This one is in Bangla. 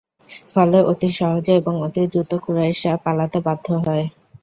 ফলে অতি সহজে এবং অতি দ্রুত কুরাইশরা পালাতে বাধ্য হয়।